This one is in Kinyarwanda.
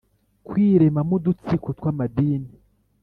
Kwiremamo udutsiko tw amadini